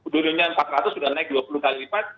dulunya empat ratus sudah naik dua puluh kali lipat